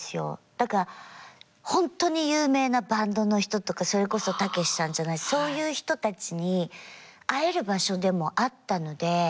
だから本当に有名なバンドの人とかそれこそたけしさんそういう人たちに会える場所でもあったので。